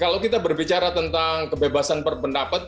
kalau kita berbicara tentang kebebasan berpendapat